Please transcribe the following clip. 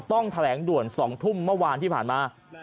ต้องแถลงด่วน๒ทุ่มเมื่อวานที่ผ่านมา